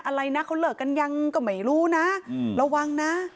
อะไรนะเขาเลิกกันยังก็ไม่รู้นะระวังนะ